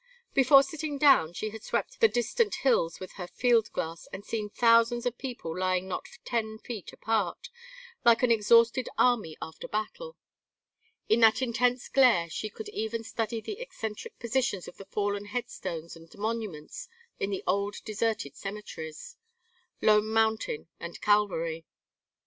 Before sitting down she had swept the distant hills with her field glass and seen thousands of people lying not ten feet apart, like an exhausted army after battle. In that intense glare she could even study the eccentric positions of the fallen headstones and monuments in the old deserted cemeteries Lone Mountain and Calvary.